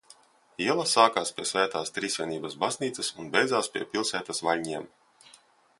Iela sākās pie Svētās Trīsvienības baznīcas un beidzās pie pilsētas vaļņiem.